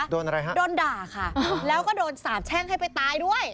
โดนอะไรฮะโดนด่าค่ะแล้วก็โดนสาบแช่งให้ไปตายด้วย